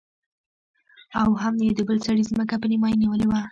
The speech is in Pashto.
او هم يې د بل سړي ځمکه په نيمايي نيولې وه.